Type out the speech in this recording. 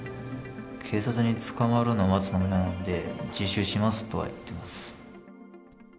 警察に捕まるの待つのも嫌なんで、自首しますとは言ってます。